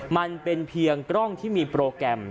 มันเป็นเพียงกล้องที่มีโปรแกรม